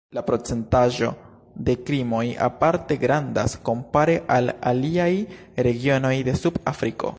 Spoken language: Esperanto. La procentaĵo de krimoj aparte grandas, kompare al aliaj regionoj de Sud-Afriko.